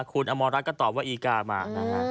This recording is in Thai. คุณอมรัฐก็ตอบว่าอีกามา